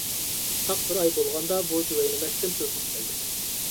تاق بىر ئاي بولغاندا بۇ «جۇۋاينىمەك» تىن تېلېفون كەلدى.